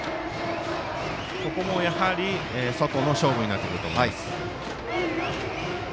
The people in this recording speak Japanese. ここもやはり外の勝負になってくると思います。